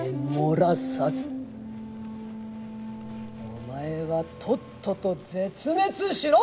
お前はとっとと絶滅しろ！